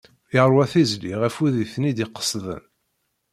Yerwa tizli ɣef wid iten-id-iqesden.